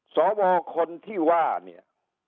สวคนที่ว่าเนี่ย